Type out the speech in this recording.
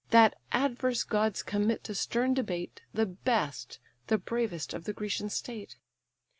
That adverse gods commit to stern debate The best, the bravest, of the Grecian state.